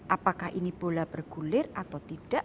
apakah ini bola bergulir atau tidak